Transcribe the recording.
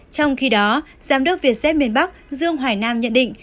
trong khi đó giám đốc việt xếp miền bắc dương hoài nam nhận định